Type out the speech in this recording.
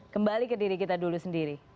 kembali ke diri kita dulu sendiri